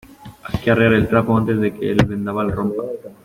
hay que arriar el trapo antes de que el vendaval rompa